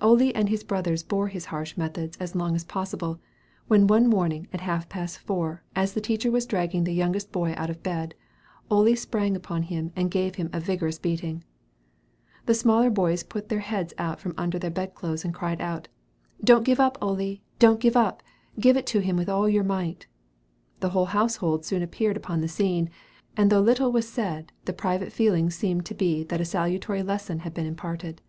Ole and his brothers bore his harsh methods as long as possible, when one morning at half past four, as the teacher was dragging the youngest boy out of bed, Ole sprang upon him and gave him a vigorous beating. The smaller boys put their heads out from under the bed clothes and cried out, "Don't give up, Ole! Don't give up! Give it to him with all your might!" The whole household soon appeared upon the scene, and though little was said, the private feeling seemed to be that a salutary lesson had been imparted.